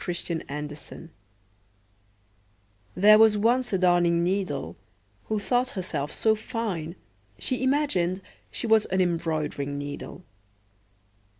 The Darning needle THERE was once a darning needle, who thought herself so fine, she imagined she was an embroidering needle.